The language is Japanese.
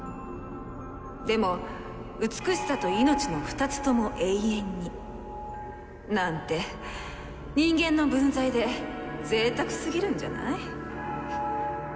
でも美しさと命の２つとも永遠になんて人間の分際で贅沢すぎるんじゃない？